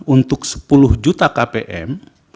untuk sepuluh juta kpm